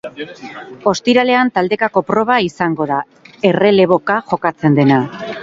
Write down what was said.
Ostiralean taldekako proba izango da, erreleboka jokatzen dena.